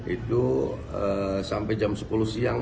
itu sampai jam sepuluh siang